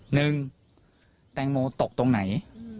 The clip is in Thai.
หนึ่งแตงโมตกตรงไหน